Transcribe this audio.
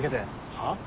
はっ？